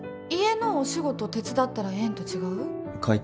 家のお仕事手伝ったらええんと違う？